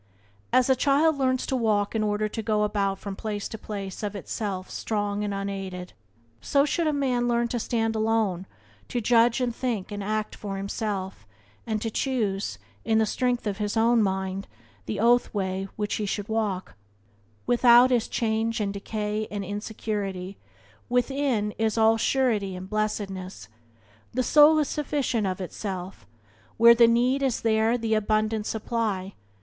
As a child learns to walk in order to go about from place to place of itself strong and unaided, so should a man learn to stand alone, to judge and think and act for himself, and to choose, in the strength of his own mind, the oath way which he shall walk. Byways to Blessedness by James Allen 61 Without is change and decay and insecurity, within is all surety and blessedness. The soul is sufficient of itself. Where the need is there is the abundant supply.